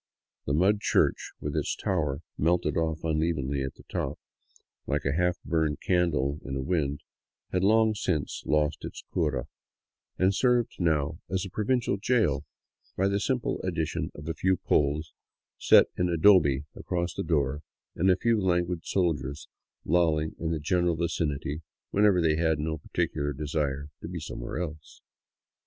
The mud church, with its tower melted off unevenly at the top, like a half burned candle in a wind, had long since lost its cura, and served now as 246 APPROACHING INCA LAND provincial jail, by the simple addition of a few poles set in adobe across the door and a few languid soldiers lolling in the general vicinity whenever they had no particular desire to be somewhere else.